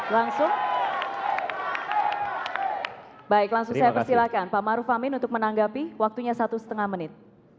langsung baik langsung saya persilahkan pak maruf amin untuk menanggapi waktunya satu setengah menit